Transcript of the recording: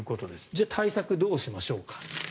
じゃあ対策はどうしましょうか。